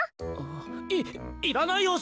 ああいいらないよ